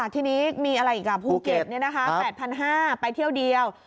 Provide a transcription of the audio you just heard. ทีนี้มีอะไรอีกภูเก็ต๘๕๐๐ไปเที่ยวเดียว